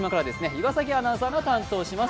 岩崎アナウンサーが担当します。